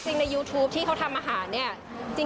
จริงในยูทูปที่เขาทำอาหารนี่